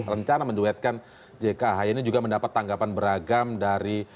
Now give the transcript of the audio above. rencana menduetkan jk ahy ini juga mendapat tanggapan beragam dari